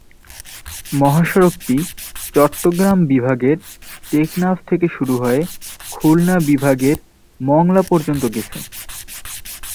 মহাসড়কটি চট্টগ্রাম বিভাগের টেকনাফ থেকে শুরু হয়ে খুলনা বিভাগ-এর মংলা পর্যন্ত গেছে।